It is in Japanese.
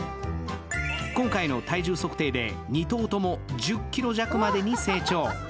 今回の体重測定で２頭とも１０ｋｇ弱までに成長。